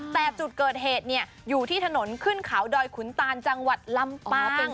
แต่จุดเกิดเหตุอยู่ที่ถนนขึ้นเขาดอยขุนตานจังหวัดลำปาง